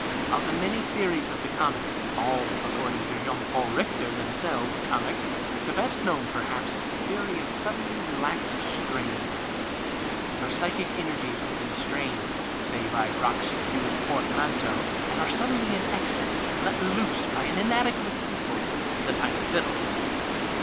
Of the many theories of the comic (all, according to Jean Paul Hichtcr, themselves comic) the best known perhaps 75 PASTICHE AND PREJUDICE is tlie theory of suddenly relaxed strain. Your psychic energies have been strained (say by Crock's huge portmanteau), and are suddenly in excess and let loose by an inadequate sequel (the tiny fiddle).